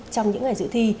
trong những ngày dự thi